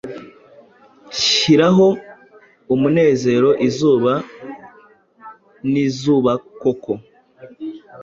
Shiraho umunezero izuba nizubakoko